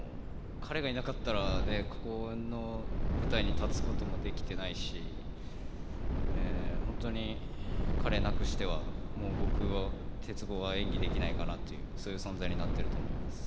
彼がいなかったらこの舞台に立つこともできていないし、本当に彼なくしては僕は鉄棒の演技ができないかなという、そういう存在になっていると思います。